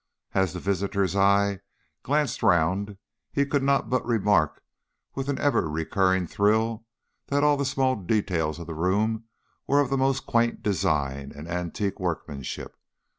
As the visitor's eye glanced round he could not but remark with an ever recurring thrill that all the small details of the room were of the most quaint design and antique workmanship.